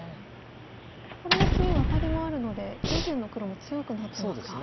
これで次ワタリもあるので上辺の黒も強くなってますか。